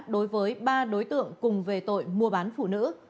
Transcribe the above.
đối với ba đối tượng cùng về tội mua bán phụ nữ